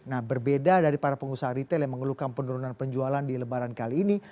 nah berbeda dari para pengusaha retail yang mengeluhkan penurunan penjualan di lebaran kali ini